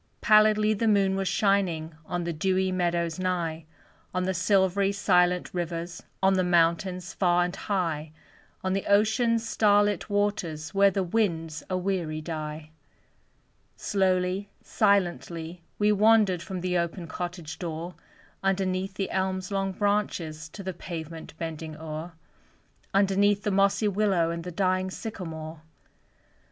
Pallidly the moon was shining On the dewy meadows nigh; On the silvery, silent rivers, On the mountains far and high On the ocean's star lit waters, Where the winds a weary die. Slowly, silently we wandered From the open cottage door, Underneath the elm's long branches To the pavement bending o'er; Underneath the mossy willow And the dying sycamore.